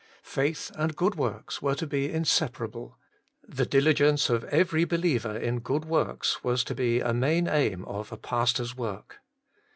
Faith and good works were to be inseparable ; the diligence of every believer in good works was to be a main aim of a pastor's work.